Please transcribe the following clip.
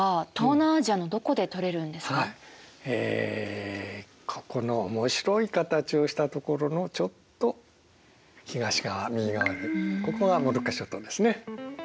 えここの面白い形をしたところのちょっと東側右側にここがモルッカ諸島ですね。